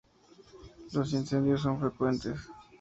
Los incendios son frecuentes.